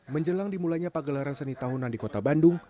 menjelang dimulainya pagelaran seni tahunan di kota bandung